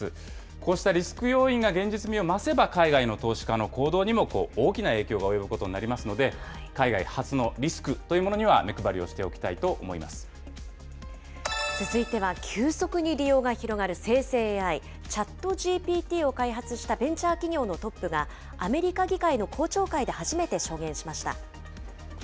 こうしたリスク要因が現実味を増せば、海外の投資家の行動にも大きな影響が及ぶことになりますので、海外発のリスクというものには、目配りをしておきたいと思い続いては急速に利用が広がる生成ＡＩ、ＣｈａｔＧＰＴを開発したベンチャー企業のトップが、アメリカ議会の公聴会で初めて証言しました。